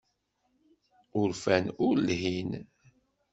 Urfan ur lhin.